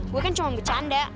gue kan cuma bercanda